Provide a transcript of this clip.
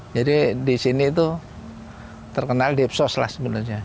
jadi di sini tuh terkenal dip soslas sebenarnya